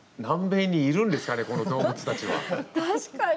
確かに。